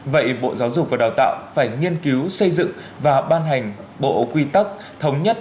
vậy bộ giáo dục và đào tạo phải nghiên cứu xây dựng và ban hành bộ quy tắc thống nhất